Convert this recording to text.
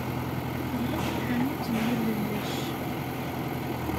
Teɣleq tḥanut n yilellac.